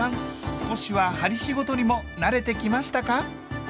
少しは針仕事にも慣れてきましたか？